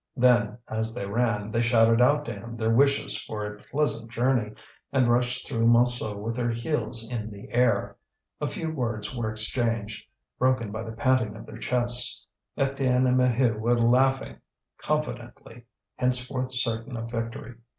Then, as they ran, they shouted out to him their wishes for a pleasant journey, and rushed through Montsou with their heels in the air. A few words were exchanged, broken by the panting of their chests. Étienne and Maheu were laughing confidently, henceforth certain of victory.